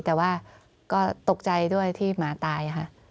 แต่ว่าก็ตกใจด้วยที่หมาตายค่ะ